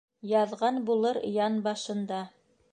Яҙған булыр ян башында.